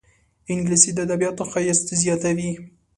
انګلیسي د ادبياتو ښایست زیاتوي